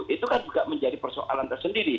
itu kan juga menjadi persoalan tersendiri